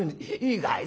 「いいかい？